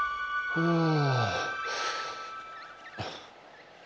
うん。